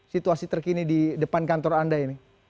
situasi terkini di depan kantor anda ini